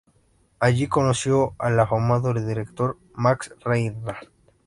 Allí conoció al afamado director Max Reinhardt.